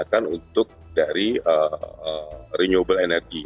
dan untuk dari renewable energy